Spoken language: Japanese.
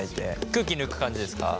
空気抜く感じですか？